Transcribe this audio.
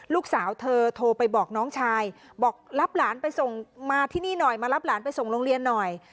ลูกสาวเธอโทรไปบอกน้องชายบอกรับหลานไปส่งร้องเลียนหน่อย